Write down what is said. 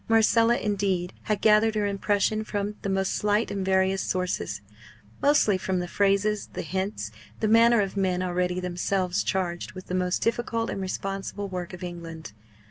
Marcella, indeed, had gathered her impression from the most slight and various sources mostly from the phrases, the hints, the manner of men already themselves charged with the most difficult and responsible work of England.